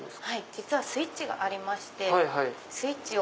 実はスイッチがありましてスイッチを。